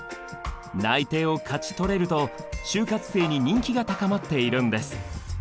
内定を勝ち取れると就活生に人気が高まっているんです。